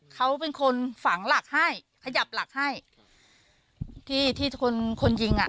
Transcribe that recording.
เขาเป็นคนฝังหลักให้ขยับหลักให้ที่ที่คนคนยิงอ่ะ